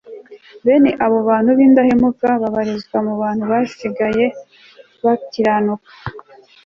Bene abo bantu bindahemuka babarizwaga mu basigaye bakiranuka